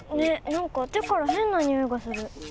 なんかてからへんなにおいがする。